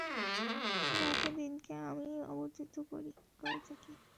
রাত ও দিনকে আমিই আবর্তিত করে থাকি।